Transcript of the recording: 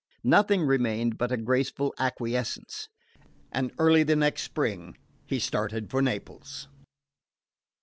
Nothing remained but a graceful acquiescence; and early the next spring he started for Naples.